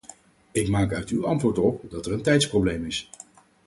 Ik maak uit uw antwoord op dat er een tijdsprobleem is.